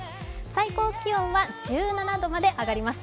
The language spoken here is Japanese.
最高気温は１７度まで上がります。